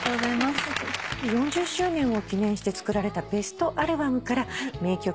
４０周年を記念して作られたベストアルバムから名曲